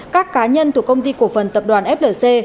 các cá nhân thuộc công ty cổ phần tập đoàn flc